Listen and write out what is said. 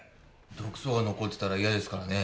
毒素が残ってたら嫌ですからね。